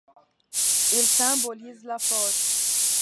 Il symbolise la force.